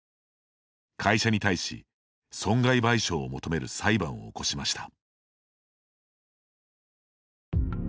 会社に対し損害賠償を求める裁判を起こしました。